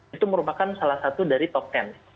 itu merupakan salah satu dari top ten